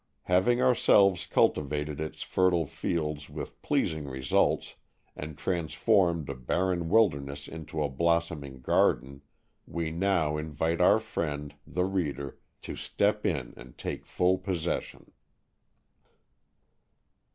Having ourselves cultivated its fertile fields with pleasing results, and transformed a barren wilderness into a blossoming garden, we now invite our friend, the reader, to step in and take full possession!